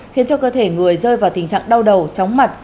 khiến cho cơ thể người rơi vào tình trạng đau đầu chóng mặt